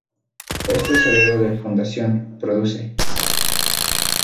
Es tesorero del fundación Produce.